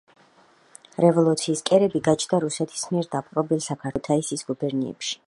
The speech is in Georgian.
რევოლუციის კერები გაჩნდა რუსეთის მიერ დაპყრობილ საქართველოში, თბილისისა და ქუთაისის გუბერნიებში.